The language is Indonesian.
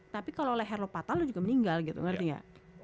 tapi kalau leher lo patah lo juga meninggal gitu ngerti gak